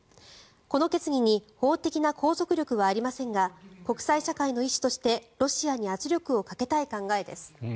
この決議に法的な拘束力はありませんが国際社会の意思としてロシアに圧力をかけたい考えです。